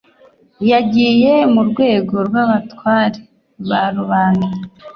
yagiye mu rwego rw'abatware ba rubanda